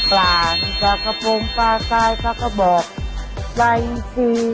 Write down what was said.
ปลาปลากระปุงปลาไกลปลากระบบปลาอีสีท